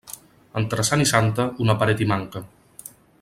Entre sant i santa, una paret hi manca.